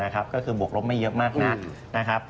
ก็คือบวกลบไม่เยอะมาก